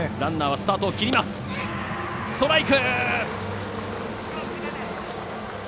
ストライク！